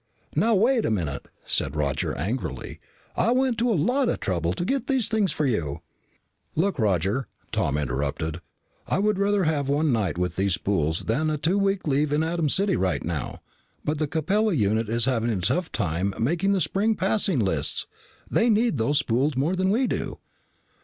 "Now wait a minute!" said Roger angrily. "I went to a lot of trouble to get these things for you " "Look, Roger," Tom interrupted, "I would rather have one night with those spools than a two week leave in Atom City right now. But the Capella unit is having a tough time making the Spring passing lists. They need those spools more than we do."